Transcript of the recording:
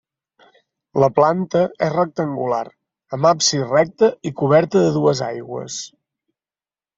La planta és rectangular, amb absis recte i coberta de dues aigües.